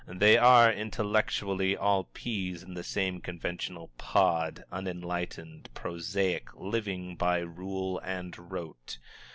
They are, intellectually, all peas in the same conventional pod, unenlightened, prosaic, living by rule and rote.